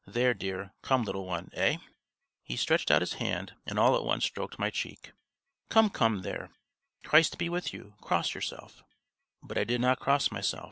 "There, dear.... Come, little one, aïe!" He stretched out his hand, and all at once stroked my cheek. "Come, come, there; Christ be with you! Cross yourself!" But I did not cross myself.